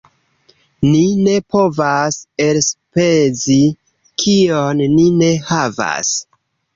Ni ne povas elspezi kion ni ne havas.